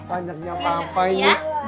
panjaknya papa ini